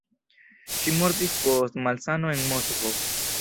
Ŝi mortis post malsano en Moskvo.